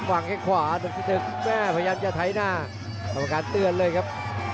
หวังให้ขวามุมตึกแม่พยายามจะไถ้หน้าสำหรับการเตือนเลยครับ